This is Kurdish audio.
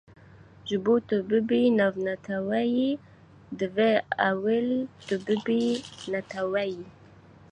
Ji bo tu bibî navneteweyî, divê ewil tu bibî neteweyî.